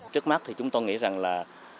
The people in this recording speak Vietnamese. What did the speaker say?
trước mắt thì chúng tôi nghĩ rằng là